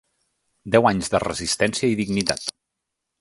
Deu anys de resistència i dignitat.